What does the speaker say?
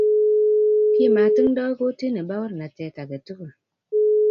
kimatindo kortini baorenattet agetugul